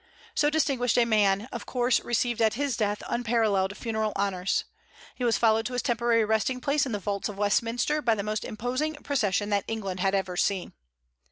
So distinguished a man of course received at his death unparalleled funeral honors. He was followed to his temporary resting place in the vaults of Westminster by the most imposing procession that England had ever seen.